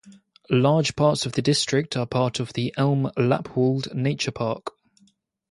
Large parts of the district are part of the "Elm-Lappwald Nature Park".